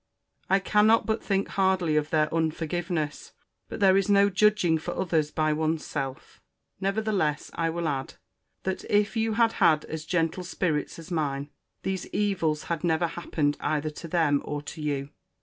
I cannot but think hardly of their unforgiveness: but there is no judging for others by one's self. Nevertheless I will add, that, if you had had as gentle spirits as mine, these evils had never happened either to them or to you.